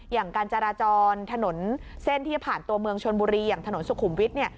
อย่างการจราจรถนนเส้นที่ผ่านตัวเมืองชนบุรีอย่างถนนสุขุมวิทย์เนี่ย